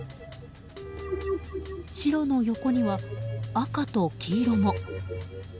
白の横には赤と黄色も。